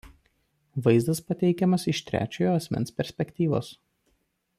Vaizdas pateikiamas iš trečiojo asmens perspektyvos.